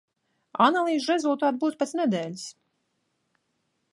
Analīžu rezultāti būs pēc nedēļas!